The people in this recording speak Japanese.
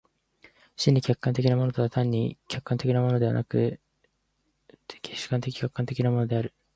真に客観的なものとは単に客観的なものでなく、却って主観的・客観的なものである。